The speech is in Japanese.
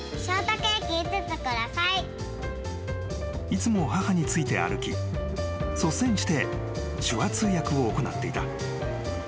［いつも母について歩き率先して手話通訳を行っていた］